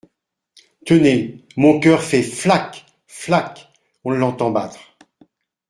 Tenez, mon cœur fait flac ! flac ! on l’entend battre !